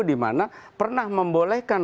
dimana pernah membolehkan